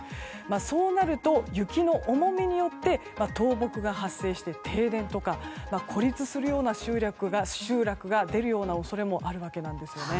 そうなると、雪の重みによって倒木が発生して停電とか孤立するような集落が出るような恐れもあるわけなんですよね。